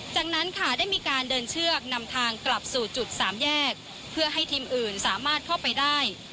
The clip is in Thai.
จากนั้นค่ะได้มีการเดินเชือกนำทางกลับสู่จุดสามแยกเพื่อให้ทีมอื่นสามารถเข้าไปได้